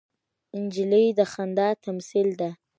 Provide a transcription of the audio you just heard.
نجلۍ د خندا تمثیل ده.